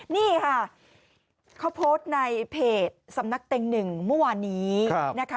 นี่ค่ะเขาโพสต์ในเพจสำนักเต็งหนึ่งเมื่อวานนี้นะคะ